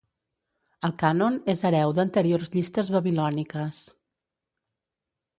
El Cànon és hereu d'anteriors llistes babilòniques.